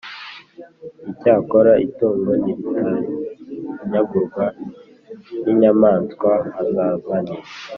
Icyakora itungo niritanyagurwa n inyamaswa h azazane